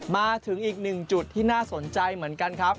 มาถึงอีกหนึ่งจุดที่น่าสนใจเหมือนกันครับ